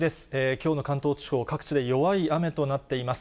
きょうの関東地方、各地で弱い雨となっています。